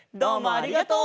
ありがとう。